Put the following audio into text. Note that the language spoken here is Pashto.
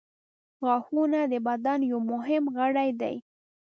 • غاښونه د بدن یو مهم غړی دی.